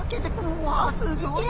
うわすギョい。